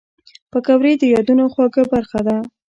پکورې د یادونو خواږه برخه ده